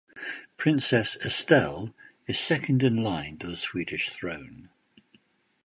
Princess Estelle is second-in-line to the Swedish throne.